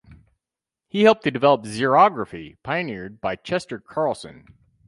He helped to develop xerography pioneered by Chester Carlson.